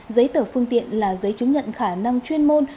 giấy tờ phương tiện là giấy chứng nhận khả năng chuyên môn